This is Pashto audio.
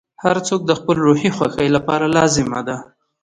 • هر څوک د خپل روحي خوښۍ لپاره لازمه ده.